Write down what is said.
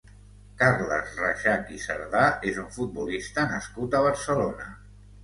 Carles Rexach i Cerdà és un futbolista nascut a Barcelona.